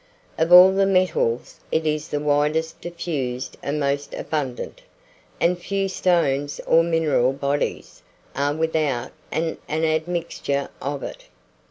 Of all the metals, it is the widest diffused and most abundant; and few stones or mineral bodies are without an admixture of it.